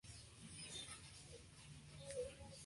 Además tenían casas menstruales para las mujeres.